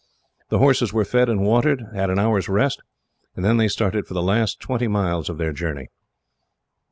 The horses were fed and watered, and had an hour's rest, and then they started for the last twenty miles of their journey.